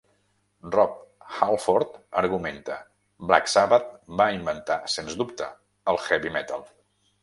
Rob Halford argumenta: Black Sabbath va inventar sens dubte el heavy metal.